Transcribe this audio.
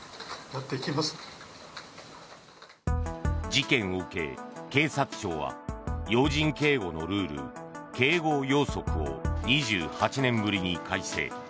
事件を受け、警察庁は要人警護のルール、警護要則を２８年ぶりに改正。